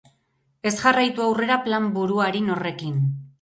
Ez jarraitu aurrera plan buruarin horrekin.